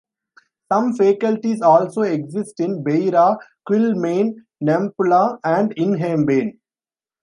Some faculties also exist in Beira, Quelimane, Nampula and Inhambane.